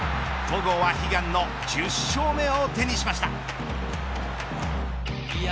戸郷は悲願の１０勝目を手にしました。